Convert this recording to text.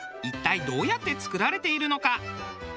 一体どうやって作られているのか？